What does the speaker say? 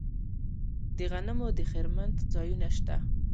د غنمو د خرمن ځایونه شته.